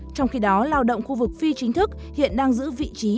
trong khi đó lao động khu vực phi chính thức hiện đang giữ vị trí